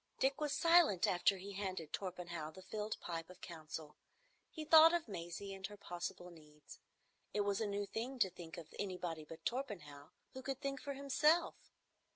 Dick was silent after he handed Torpenhow the filled pipe of council. He thought of Maisie and her possible needs. It was a new thing to think of anybody but Torpenhow, who could think for himself.